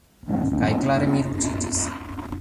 Kaj klare mi ruĝiĝis.